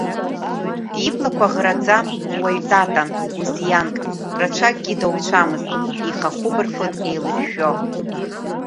Иблақәа ӷраӡа, уаҩ татан, гәызианк, рацәакгьы дауцәамызт, ихахәы бырфын еилышәшәо.